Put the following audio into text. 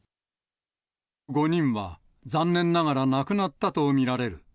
５人は残念ながら亡くなったと見られる。